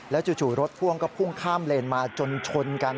จู่รถพ่วงก็พุ่งข้ามเลนมาจนชนกัน